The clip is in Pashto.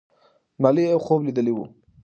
ملالۍ یو خوب لیدلی وو.